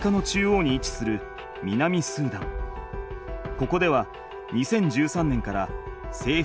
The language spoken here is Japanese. ここでは２０１３年からせいふ